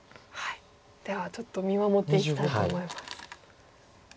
ではちょっと見守っていきたいと思います。